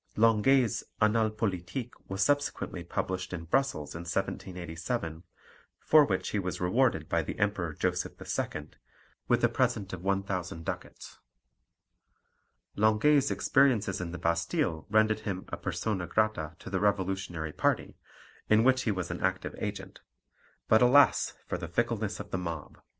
Linguet's Annales Politiques was subsequently published in Brussels in 1787, for which he was rewarded by the Emperor Joseph II. with a present of 1,000 ducats. Linguet's experiences in the Bastille rendered him a persona grata to the revolutionary party, in which he was an active agent; but, alas for the fickleness of the mob!